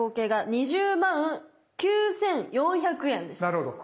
なるほど。